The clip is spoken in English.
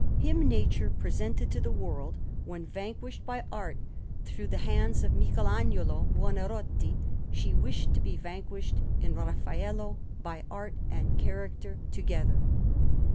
Him nature presented to the world, when, vanquished by art through the hands of Michelagnolo Buonarroti, she wished to be vanquished, in Raffaello, by art and character together.